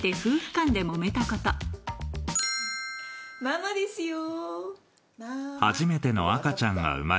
ママですよ。